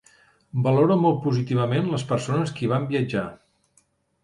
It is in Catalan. Valoro molt positivament les persones que hi van viatjar.